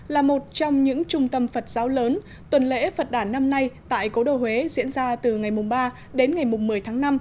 là một trong những trung tâm phật giáo lớn tuần lễ phật đàn năm nay tại cố đô huế diễn ra từ ngày ba đến ngày một mươi tháng năm